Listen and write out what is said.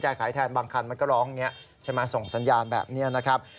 จะมาส่งสัญญาณแบบนี้นะครับ